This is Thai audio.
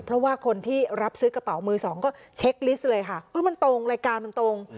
เพราะว่าคนที่รับซื้อกระเป๋ามือสองก็เช็คลิสต์เลยค่ะมันตรงรายการมันตรง